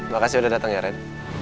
makasih udah datang ya rendy